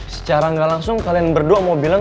secara gak langsung kalian berdua mau bilang